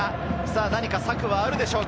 何か策はあるでしょうか？